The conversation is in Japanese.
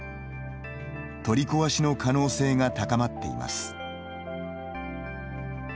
取り壊しの可能性が高まっています。